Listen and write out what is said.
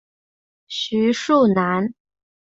徐树楠。